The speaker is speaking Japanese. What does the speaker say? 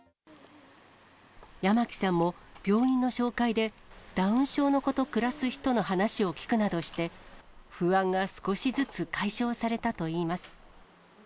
八巻さんも病院の紹介で、ダウン症の子と暮らす人の話を聞くなどして、不安が少しずつ解消されたといいます。